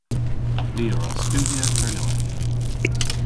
Ni a wra studhya Kernewek.